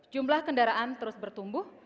jumlah kendaraan terus bertumbuh